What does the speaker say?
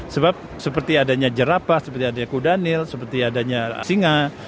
sebab seperti adanya jerapah seperti adanya kudanil seperti adanya singa